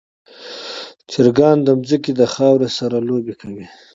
چرګان د ځمکې خاورې سره لوبې کوي.